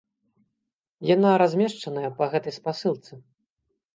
Яна размешчаная па гэтай спасылцы.